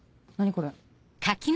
これ。